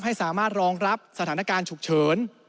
ให้สามารถรองรับสถานการณ์ฉุกเฉิน